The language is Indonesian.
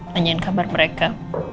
tanyain kabar mereka